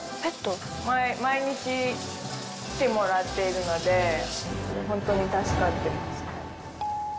毎日来てもらっているので本当に助かってます。